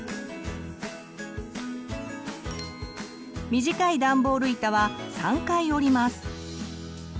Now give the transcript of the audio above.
短いダンボール板は３回折ります。